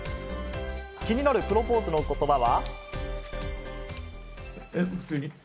気になるプロポーズの言葉は？